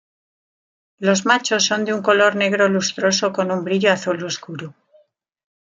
Los machos son de un color negro lustroso con un brillo azul oscuro.